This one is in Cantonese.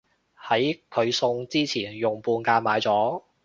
喺佢送之前用半價買咗